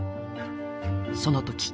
その時。